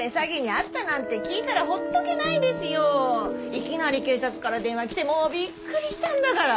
いきなり警察から電話来てもうびっくりしたんだから！